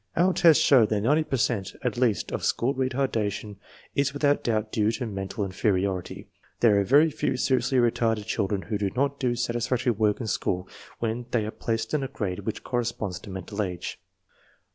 Our tests show that 90 per cent, at least, of school retarda tion is without doubt due to mental inferiority. There are very few seriously retarded children who do not do satis factory work in school when they are placed in a grade which corresponds to mental age.